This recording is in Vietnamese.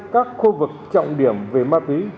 các khu vực trọng điểm về ma túy